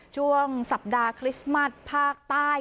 ช่วงสัปดาห์คริสต์มัสภาคใต้